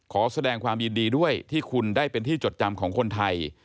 ขอแสดงความยินดีด้วยที่คุณได้เป็นที่จดจำของคนไทย